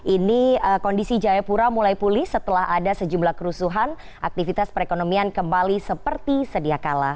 ini kondisi jayapura mulai pulih setelah ada sejumlah kerusuhan aktivitas perekonomian kembali seperti sedia kala